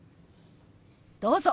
どうぞ。